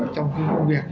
trong công việc